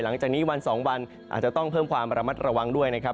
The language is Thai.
หลังจากนี้วัน๒วันอาจจะต้องเพิ่มความระมัดระวังด้วยนะครับ